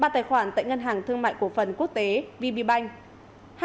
ba tài khoản tại ngân hàng thương mại cổ phần quốc tế vbbanh